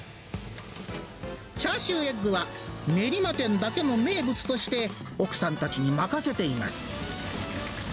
チャーシューエッグは、練馬店だけの名物として、奥さんたちに任せています。